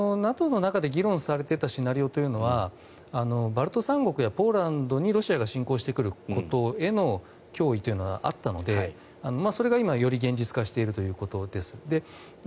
ＮＡＴＯの中で議論されていたシナリオというのはバルト三国やポーランドにロシアが侵攻してくることへの脅威というのはあったのでそれがより今現実化しているということです。